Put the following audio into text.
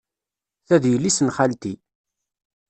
Ta d yelli-s n xalti.